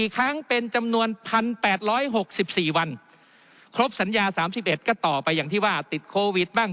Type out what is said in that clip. ๔ครั้งเป็นจำนวน๑๘๖๔วันครบสัญญา๓๑ก็ต่อไปอย่างที่ว่าติดโควิดบ้าง